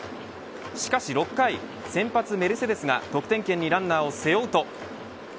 しかし６回先発メルセデスが得点圏にランナーを背負うと。